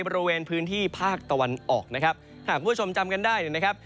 บริเวณพื้นที่ภาคตะวันออกนะครับหากคุณผู้ชมจำกันได้เนี่ยนะครับ